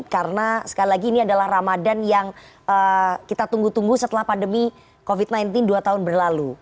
karena sekali lagi ini adalah ramadan yang kita tunggu tunggu setelah pandemi covid sembilan belas dua tahun berlalu